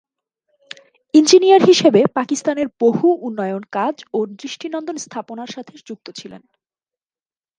Engineer হিসেবে পাকিস্তানের বহু উন্নয়ন কাজ ও দৃষ্টিনন্দন স্থাপনার সাথে যুক্ত ছিলেন।